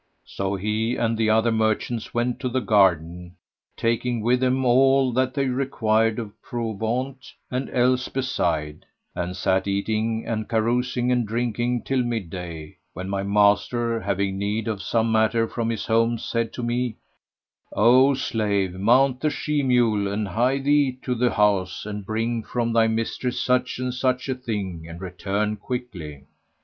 So he and the other merchants went to the garden, taking with them all that they required of provaunt and else beside, and sat eating and carousing and drinking till mid day, when my master, having need of some matter from his home, said to me, "O slave, mount the she mule and hie thee to the house and bring from thy mistress such and such a thing and return quickly."